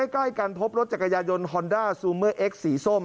ใกล้กันพบรถจักรยายนฮอนด้าซูเมอร์เอ็กซสีส้ม